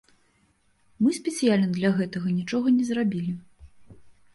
Мы спецыяльна для гэтага нічога не зрабілі.